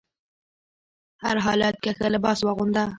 هر حالت کې ښه لباس واغونده.